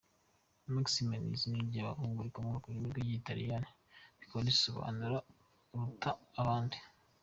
Maxime ni izina ry’abahungu rikomoka ku rurimi rw’Ikilatini rikaba risobanura “Uruta abandi”.